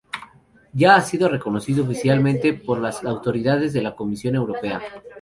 Ya ha sido reconocido oficialmente por las autoridades de la Comisión Europea.